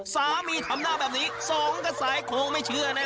ทำหน้าแบบนี้สองกระสายคงไม่เชื่อแน่